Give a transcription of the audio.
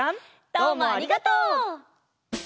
どうもありがとう！